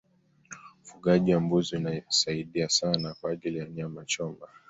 ufugaji wa mbuzi unasiadia sana kwa ajili ya nyama choma